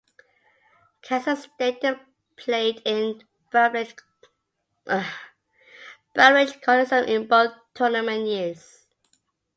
Kansas State played in Bramlage Coliseum in both tournament years.